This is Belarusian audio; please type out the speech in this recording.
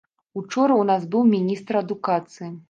Учора ў нас быў міністр адукацыі.